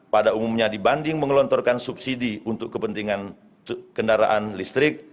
pada umumnya dibanding mengelontorkan subsidi untuk kepentingan kendaraan listrik